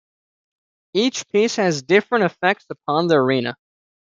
Each Piece has differing effects upon the arena.